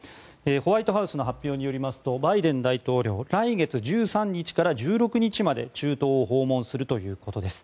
ホワイトハウスの発表によりますとバイデン大統領来月１３日から１６日まで中東を訪問するということです。